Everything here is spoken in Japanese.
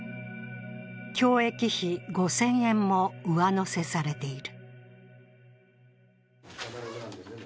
共益費５０００円も上乗せされている。